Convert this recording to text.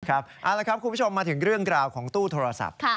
เอาละครับคุณผู้ชมมาถึงเรื่องกล่าวของตู้โทรศัพท์